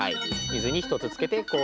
「水」に１つ付けて「氷」。